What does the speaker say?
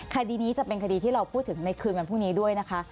คดีนี้จะเป็นคดีที่เราพูดถึงในคืนวันพรุ่งนี้ด้วยนะคะ